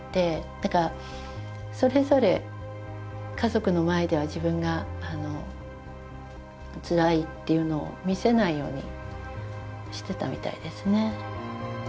だからそれぞれ家族の前では自分がつらいっていうのを見せないようにしてたみたいですね。